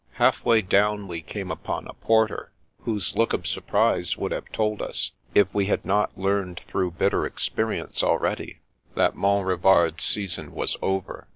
Half way down we came upon a porter, whose look of surprise would have told us (if we had not learned through bitter experience already) that Mont Revard's sea son was over.